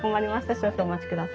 少々お待ちください。